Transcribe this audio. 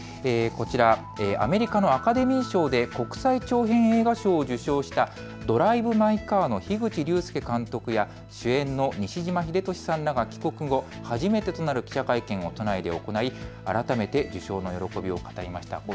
こちらアメリカのアカデミー賞で国際長編映画賞を受賞したドライブ・マイ・カーの濱口竜介監督や主演の西島秀俊さんらが帰国後初めてとなる記者会見を都内で行い改めて受賞の喜びを語りました。